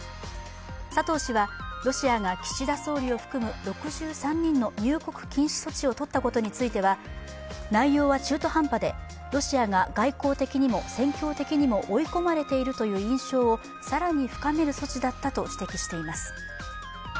佐藤氏はロシアが岸田総理を含む６３人の入国禁止措置を取ったことについては内容は中途半端でロシアが外交的にも戦況的にも追い込まれているという印象を更に深める措置だったと指摘しています。